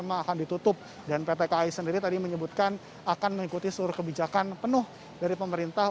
memang akan ditutup dan pt kai sendiri tadi menyebutkan akan mengikuti seluruh kebijakan penuh dari pemerintah